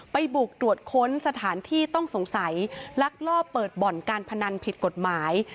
บุกตรวจค้นสถานที่ต้องสงสัยลักลอบเปิดบ่อนการพนันผิดกฎหมาย